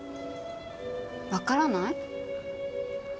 わからない？